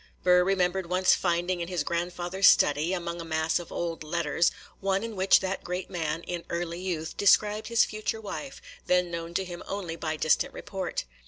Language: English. Burr remembered once finding in his grandfather's study, among a mass of old letters, one in which that great man, in early youth, described his future wife, then known to him only by distant report.